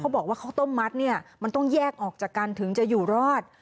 บอกว่าข้าวต้มมัดเนี่ยมันต้องแยกออกจากกันถึงจะอยู่รอด